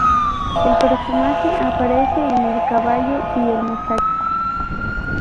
El personaje aparece en "El caballo y el muchacho".